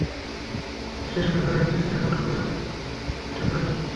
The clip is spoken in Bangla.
মজলিস শেষে তিনি যখন দুপুরের শয্যা গ্রহণে গেলেন তখন বৃদ্ধ এসে দরজায় ধাক্কা দিল।